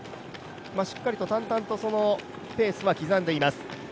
しっかりと淡々とそのペースは刻んでいます。